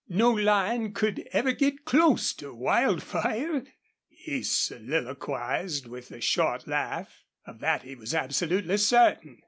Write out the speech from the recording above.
"No lion could ever get close to Wildfire," he soliloquized, with a short laugh. Of that he was absolutely certain.